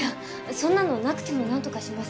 そんなのなくても何とかします